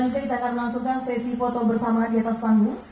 nanti kita akan langsungkan sesi foto bersama di atas panggung